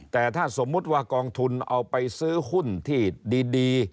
แต่ถ้าสมมุติว่ากองทุนเอาไปซื้อหุ้นที่ดี